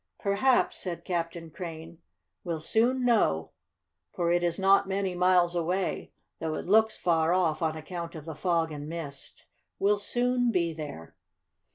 "Perhaps," said Captain Crane. "We'll soon know, for it is not many miles away, though it looks far off on account of the fog and mist. We'll soon be there."